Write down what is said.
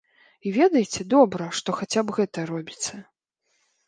І ведаеце, добра, што хаця б гэта робіцца.